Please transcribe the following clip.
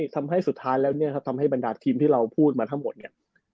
ทำให้สุดท้ายแล้วเนี่ยครับทำให้บรรดาทีมที่เราพูดมาทั้งหมดเนี่ย